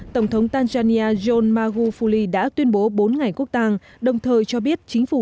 tổng thống tanzania john magufuli đã tuyên bố bốn ngày quốc tàng đồng thời cho biết chính phủ